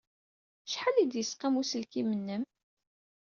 Acḥal ay d-yesqam uselkim-nnem?